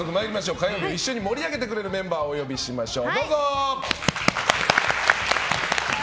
火曜日を一緒に盛り上げてくれるメンバーをご紹介しましょう。